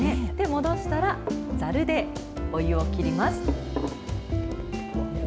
戻したら、ザルでお湯を切ります。